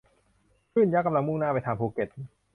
คลื่นยักษ์กำลังมุ่งหน้าไปทางภูเก็ต